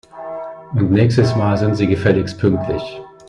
Und nächstes Mal sind Sie gefälligst pünktlich!